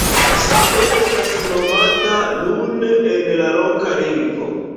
Salo estas nomata "Lun" en la loka lingvo.